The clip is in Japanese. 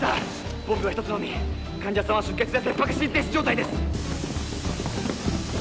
ボンベは一つのみ患者さんは出血で切迫心停止状態です